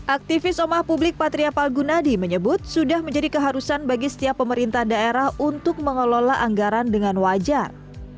aktivis omah publik patria palgunadi menyebut sudah menjadi keharusan bagi setiap pemerintah daerah untuk mengelola anggaran dengan wajar